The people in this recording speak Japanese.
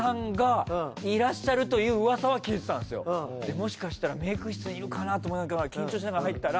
もしかしたらメイク室にいるかなと思いながら緊張しながら入ったら。